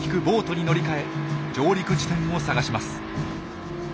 ボートに乗り換え上陸地点を探します。